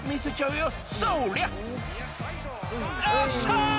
よっしゃ。